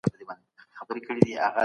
سیال هیواد وارداتي تعرفه نه زیاتوي.